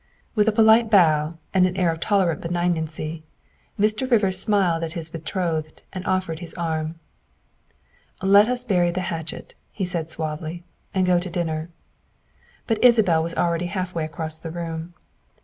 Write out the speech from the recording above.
With a polite bow and an air of tolerant benignancy Mr. Rivers smiled at his betrothed and offered his arm. '' Let us bury the hatchet, '' he said suavely, '' and go to dinner." But Isabel was already half way across the room.